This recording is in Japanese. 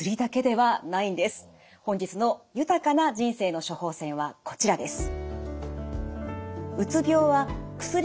本日の「豊かな人生の処方せん」はこちらです。